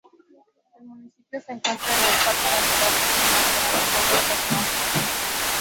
El municipio se encuentra en el Parque Natural Regional de los Vosgos del Norte.